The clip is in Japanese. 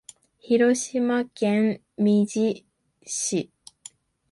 広島県三次市